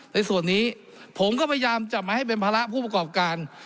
ในส่วนนี้ผมก็พยายามจะมาให้เป็นภาระผู้ประกอบการ